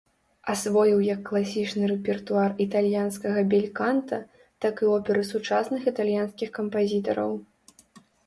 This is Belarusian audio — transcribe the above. Асвоіў як класічны рэпертуар італьянскага бельканта, так і оперы сучасных італьянскіх кампазітараў.